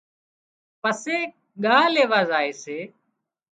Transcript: پسي ڳاهَ ليوا زائي سي۔